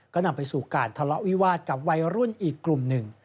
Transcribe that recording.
ก็นำไปสู่การทะเลาะวิวาสกับวัยรุ่นอีกกลุ่มหนึ่ง